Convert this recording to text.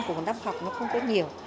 của một năm học nó không có nhiều